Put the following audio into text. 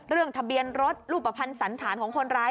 เรื่องทะเบียนรถลูกประพันธ์สันฐานของคนร้าย